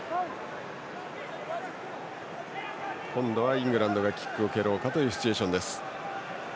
今度はイングランドがキックを蹴ろうかというシチュエーション。